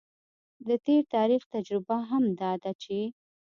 د تیر تاریخ تجربه هم دا ده چې